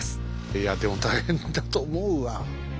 いやでも大変だと思うわ。